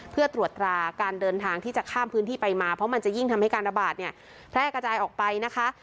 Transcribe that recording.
เพื่อตรวจตราการเดินทางที่จะข้ามพื้นที่ไปมาเพราะมันจะยิ่งทำให้การระบาดเนี่ยแพร่กระจายออกไปนะคะ